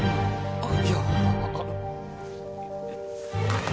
あっいや。